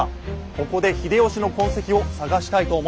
ここで秀吉の痕跡を探したいと思います。